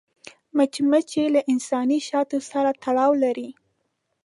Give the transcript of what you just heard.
مچمچۍ له انساني شاتو سره تړاو لري